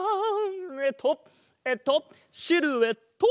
えっとえっとシルエット！